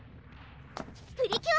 プリキュア！